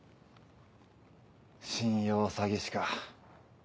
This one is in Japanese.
信用詐欺師か。